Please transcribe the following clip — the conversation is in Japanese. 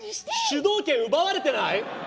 主導権、奪われてない？